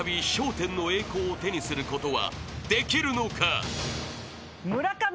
１０の栄光を手にすることはできるのか？］